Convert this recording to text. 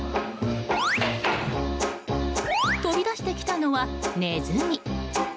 飛び出してきたのはネズミ。